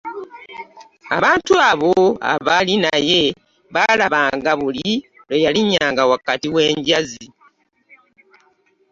Abantu abo abaali naye baalabanga buli lwe yalinnyanga wakati w'enjazi.